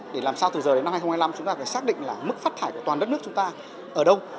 để làm sao từ giờ đến năm hai nghìn hai mươi năm chúng ta phải xác định là mức phát thải của toàn đất nước chúng ta ở đâu